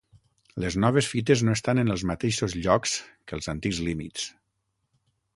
Les noves fites no estan en els mateixos llocs que els antics límits.